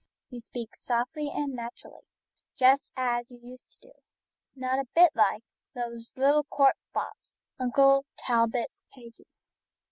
You speak softly and naturally, just as you used to do, and not a bit like those little court fops, Uncle Talbot's pages.